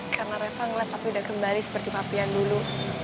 karena reva ngeliat papi udah kembali seperti papi yang dulu